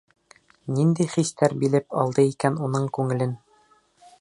Ниндәй хистәр биләп алды икән уның күңелен?